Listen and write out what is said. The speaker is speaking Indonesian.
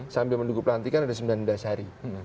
sambil menunggu pelantikan ada sembilan belas hari